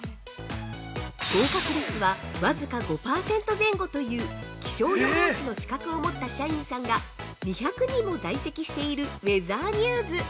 ◆合格率はわずか５％前後という気象予報士の資格を持った社員さんが２００人も在籍しているウェザーニューズ。